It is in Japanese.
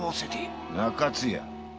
中津屋！